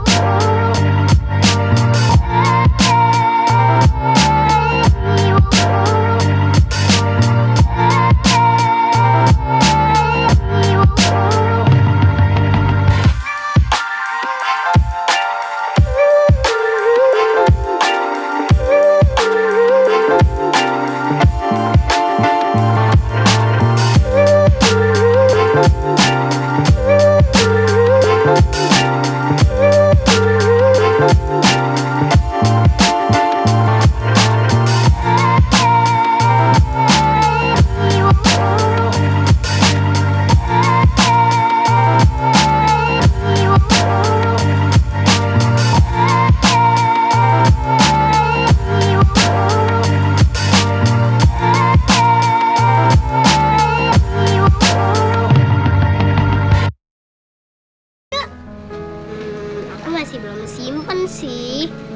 aku masih belum simpen sih